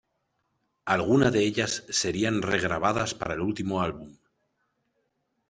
Algunas de ellas serían re-grabadas para el último álbum.